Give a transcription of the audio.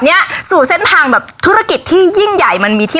มีน้ำพริกเจอีก๓รสชาติ